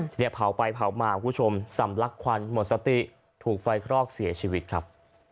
เนี่ยเผาไปเผามาคุณผู้ชมสำลักควันหมดสติถูกไฟคลอกเสียชีวิตครับ